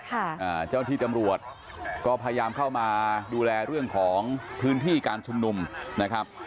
เจ้าหน้าที่ตำรวจก็พยายามเข้ามาดูแลเรื่องของพื้นที่การชุมนุมนะครับ